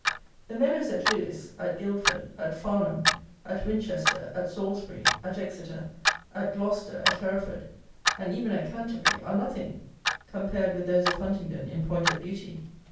The meadows at Lewes, at Guildford, at Farnham, at Winchester, at Salisbury, at Exeter, at Gloucester, at Hereford, and even at Canterbury, are nothing, compared with those of Huntingdon in point of beauty.